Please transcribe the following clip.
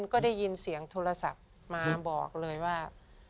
ก็ได้ยินเสียงโทรศัพท์มาบอกเลยว่า